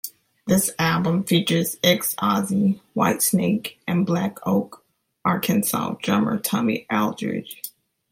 This album features ex-Ozzy, Whitesnake, and Black Oak Arkansas drummer Tommy Aldridge.